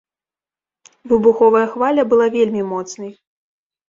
Выбуховая хваля была вельмі моцнай.